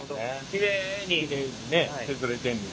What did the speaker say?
きれいにね削れてんねや。